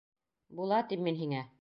Була, тим мин һиңә.